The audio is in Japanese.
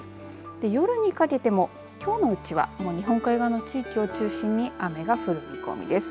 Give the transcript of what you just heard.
夜にかけてもきょうのうちは日本海側の地域を中心に雨が降る見込みです。